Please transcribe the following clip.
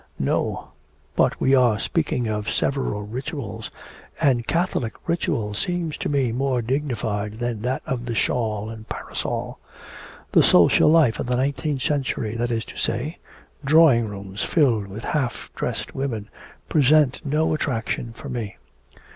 'No. But we were speaking of several rituals, and Catholic ritual seems to me more dignified than that of the shawl and parasol. The social life of the nineteenth century, that is to say, drawing rooms, filled with half dressed women, present no attraction for me.